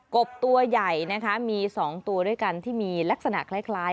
บตัวใหญ่นะคะมี๒ตัวด้วยกันที่มีลักษณะคล้าย